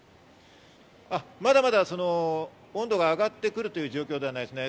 まだまだ温度が上がってくるという状況ではないですね。